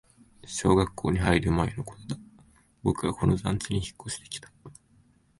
小学校に入る前のことだ、僕はこの団地に引っ越してきた